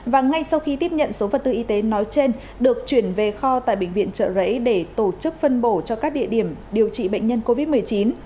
và ngay sau khi tiếp nhận số vật tư y tế nói trên được chuyển về kho tại bệnh viện trợ rẫy để tổ chức phân bổ cho các địa điểm điều trị bệnh nhân covid một mươi chín